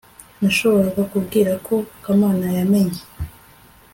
nashoboraga kubwira ko kamana yamenye